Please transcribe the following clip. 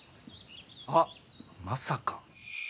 あっまさか。